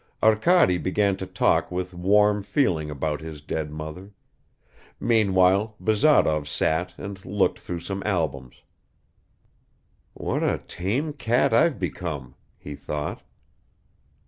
Arkady began to talk with warm feeling about his dead mother; meanwhile Bazarov sat and looked through some albums. "What a tame cat I've become," he thought.